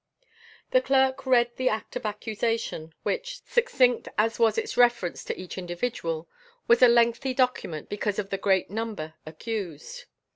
The Clerk read the act of accusation, which, succinct as was its reference to each individual, was a lengthy document because of the great number accused.